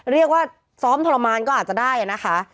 เรียกว่าซ้อมทรมานก็อาจจะได้นะคะ